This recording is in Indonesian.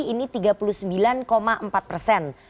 ini tiga puluh sembilan empat persen